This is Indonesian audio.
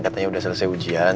katanya udah selesai ujian